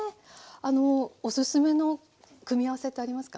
おすすめの組み合わせってありますか？